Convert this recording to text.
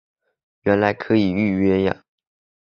原来可以预约呀